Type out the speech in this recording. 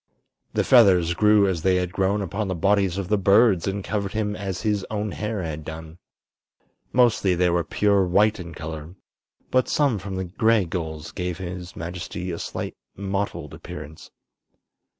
The feathers grew as they had grown upon the bodies of the birds and covered him as his own hair had done. Mostly they were pure white in color, but some from the gray gulls gave his majesty a slight mottled appearance.